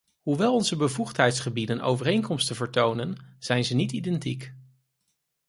Hoewel onze bevoegdheidsgebieden overeenkomsten vertonen, zijn ze niet identiek.